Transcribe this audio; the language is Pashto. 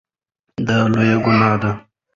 دا لویه ګناه ده.